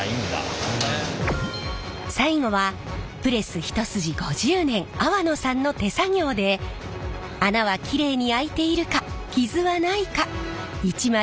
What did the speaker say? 最後はプレス一筋５０年粟野さんの手作業で穴はきれいに空いているか傷はないか一枚一枚入念にチェック。